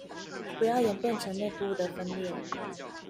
不要演變成内部的分裂